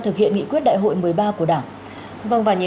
rồi ok cảm ơn anh